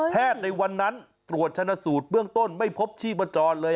ในวันนั้นตรวจชนะสูตรเบื้องต้นไม่พบชีพจรเลย